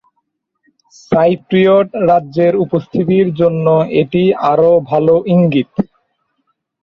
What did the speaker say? Cypriot রাজ্যের উপস্থিতির জন্য এটি আরও ভাল ইঙ্গিত।